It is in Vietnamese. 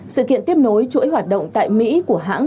sự kiện tiếp nối chuỗi hoạt động tại mỹ của hãng